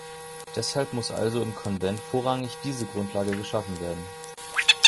Deshalb muss also im Konvent vorrangig diese Grundlage geschaffen werden.